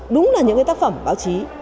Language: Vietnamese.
đúng là những cái tác phẩm báo chí